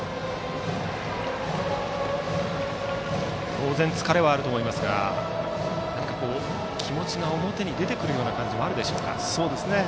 当然、疲れはあると思いますが気持ちが表に出てくる感じもあるでしょうか。